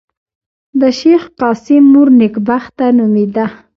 د شېخ قاسم مور نېکبخته نومېده.